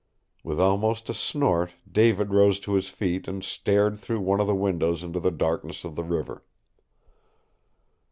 With almost a snort David rose to his feet and stared through one of the windows into the darkness of the river.